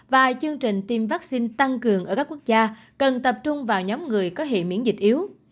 và chương trình tiêm vaccine tăng cường ở các quốc gia cần tập trung vào nhóm người có hệ miễn dịch yếu